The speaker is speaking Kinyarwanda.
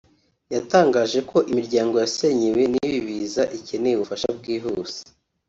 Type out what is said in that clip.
yatangaje ko imiryango yasenyewe n’ibi biza ikeneye ubufasha bwihuse